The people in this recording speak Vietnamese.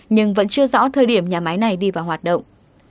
nhưng vẫn chưa rõ thời điểm nhà máy này đi vào hoạt động